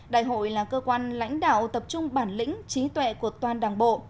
đại hội là cơ quan lãnh đạo tập trung bản lĩnh trí tuệ của toàn đảng bộ